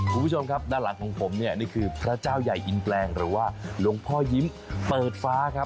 คุณผู้ชมครับด้านหลังของผมเนี่ยนี่คือพระเจ้าใหญ่อินแปลงหรือว่าหลวงพ่อยิ้มเปิดฟ้าครับ